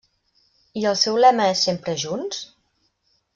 I el seu lema és Sempre Junts?